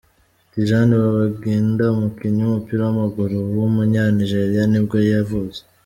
Tijani Babangida, umukinnyi w’umupira w’amaguru w’umunyanijeriya nibwo yavutse.